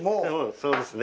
そうですね。